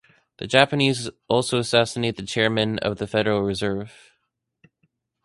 The Japanese also assassinate the chairman of the Federal Reserve.